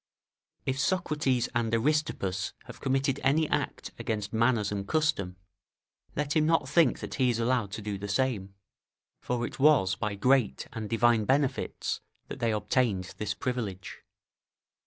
["If Socrates and Aristippus have committed any act against manners and custom, let him not think that he is allowed to do the same; for it was by great and divine benefits that they obtained this privilege."